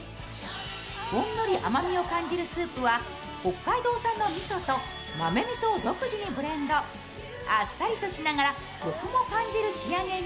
ほんのり甘みを感じるスープは北海道産のみそと豆味噌を独自にブレンド、あっさりとしながら、コクも感じる仕上げに。